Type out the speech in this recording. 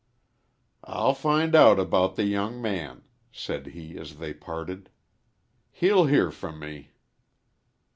"I'll find out about the young man," said he, as they parted. "He'll hear from me."